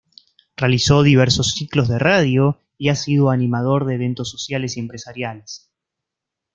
Realizó diversos ciclos de radio y ha sido animador de eventos sociales y empresariales.